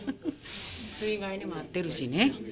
水害にも遭ってるしね。